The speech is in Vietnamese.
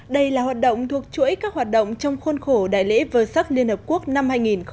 đây là hoạt động thuộc chuỗi các hoạt động trong khuôn khổ đại lễ vơ sắc liên hợp quốc năm hai nghìn một mươi chín